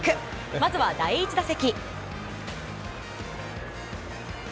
まずは第１打席。